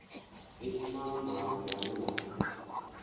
Hejtman má dvě ramena.